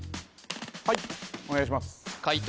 はいお願いします解答